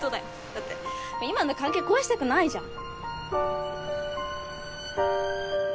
だって今の関係壊したくないじゃん。